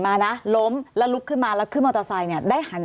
มานะล้มแล้วลุกขึ้นมาแล้วขึ้นมอเตอร์ไซค์เนี่ยได้หัน